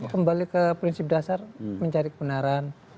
kembali ke prinsip dasar mencari kebenaran